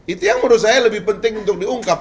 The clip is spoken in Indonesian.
itu yang menurut saya lebih penting untuk diungkap